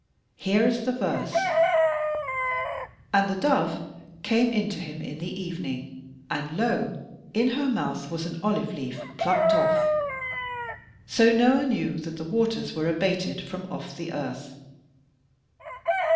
Here is the verse: 'And the dove came in to him in the evening; and lo, in her mouth was an olive leaf pluckt off; so Noah knew that the waters were abated from off the earth.'